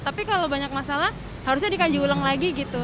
tapi kalau banyak masalah harusnya dikaji ulang lagi gitu